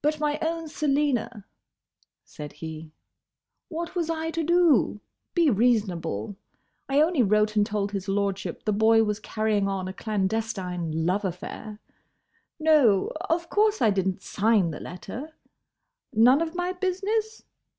"But, my own Selina," said he, "what was I to do? Be reasonable. I only wrote and told his lordship the boy was carrying on a clandestine love affair.—No, of course I did n't sign the letter.—None of my business?